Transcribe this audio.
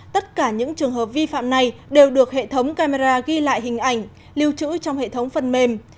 tất cả những trường hợp vi phạm này đều được hệ thống camera ghi lại hình ảnh lưu trữ trong hệ thống phần mềm